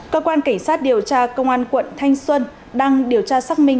cơ quan cảnh sát điều tra công an quận thanh xuân đang điều tra xác minh